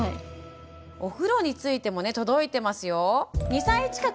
お風呂についても届いてますよ。